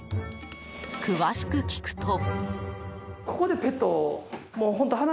詳しく聞くと。